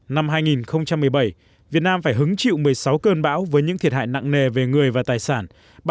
năm hai nghìn một mươi bảy việt nam phải hứng chịu một mươi sáu cơn bão với những thiệt hại nặng nề về người và tài sản